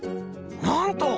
なんと！